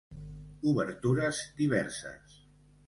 Obertures diverses.